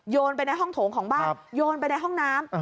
โยนไปในห้องโถงของบ้านโยนไปในห้องน้ำ